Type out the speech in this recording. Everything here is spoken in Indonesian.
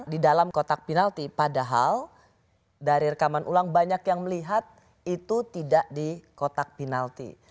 di dalam kotak penalti padahal dari rekaman ulang banyak yang melihat itu tidak di kotak penalti